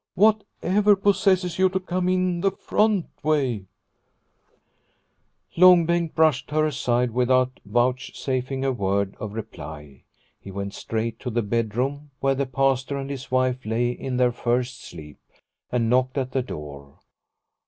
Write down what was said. Whatever possesses you to come in the front way ?" Long Bengt brushed her aside without vouch safing a word of reply. He went straight to the bedroom where the Pastor and his wife lay in their first sleep, and knocked at the door.